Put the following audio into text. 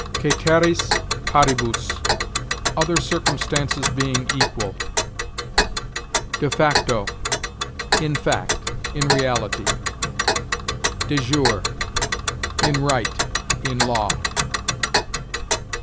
Ceteris paribus: other circumstances being equal. De facto: in fact; in reality. De jure: in right; in law.